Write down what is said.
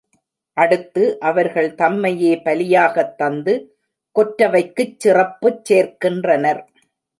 அடுத்து அவர்கள் தம்மையே பலியாகத் தந்து கொற்றவைக்குச் சிறப்புச் சேர்க்கின்றனர்.